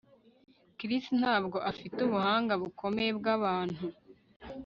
Chris ntabwo afite ubuhanga bukomeye bwabantu